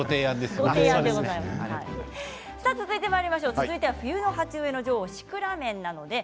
続いては冬の鉢植えの女王シクラメンです。